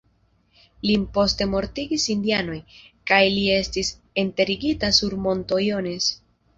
Lin poste mortigis indianoj, kaj li estis enterigita sur monto "Jones".